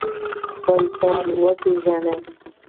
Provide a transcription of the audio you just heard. خپل ځان وپیژنئ